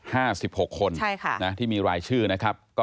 ห้าสิบหกคนที่มีรายชื่อน่ะครับ